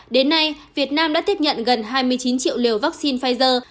đến nay việt nam đã tiếp nhận gần hai mươi chín triệu liều vaccine pfizer